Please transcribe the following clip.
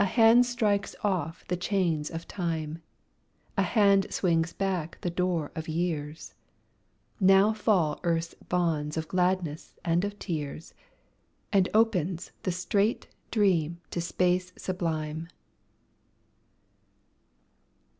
A hand strikes off the chains of Time, A hand swings back the door of years; Now fall earth's bonds of gladness and of tears, And opens the strait dream to space sublime."